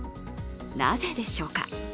なぜでしょうか。